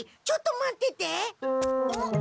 ちょっと待ってて。